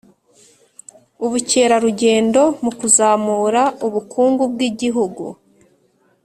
ubukerarugendo mukuzamura ubukungu bwigihugu